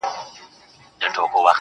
قربانو زړه مـي خپه دى دا څو عمـر.